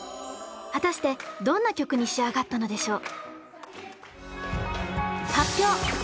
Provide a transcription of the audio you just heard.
果たしてどんな曲に仕上がったのでしょう？